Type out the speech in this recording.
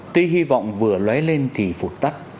tuy hy vọng vừa lóe lên thì phục tắt